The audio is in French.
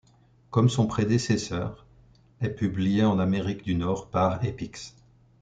Comme son prédécesseur, ' est publié en Amérique du Nord par Epyx.